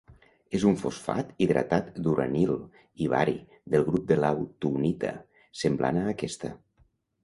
És un fosfat hidratat d'uranil i bari, del grup de l'autunita, semblant a aquesta.